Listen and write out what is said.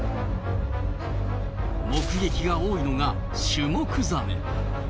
目撃が多いのがシュモクザメ。